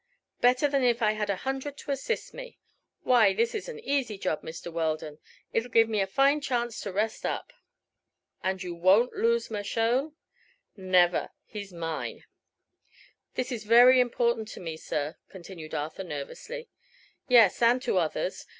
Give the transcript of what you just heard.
"Better than if I had a hundred to assist me. Why, this is an easy job, Mr. Weldon. It 'll give me a fine chance to rest up." "And you won't lose Mershone?" "Never. He's mine." "This is very important to me, sir," continued Arthur, nervously. "Yes; and to others.